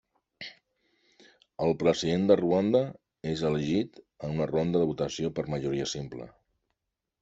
El President de Ruanda és elegit en una ronda de votació per majoria simple.